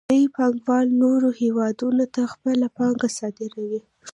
لوی پانګوال نورو هېوادونو ته خپله پانګه صادروي